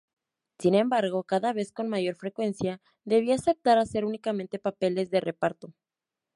Sin embargo, cada vez con mayor frecuencia debía aceptar hacer únicamente papeles de reparto.